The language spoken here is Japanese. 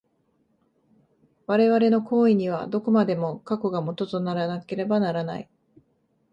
我々の行為には、どこまでも過去が基とならなければならない。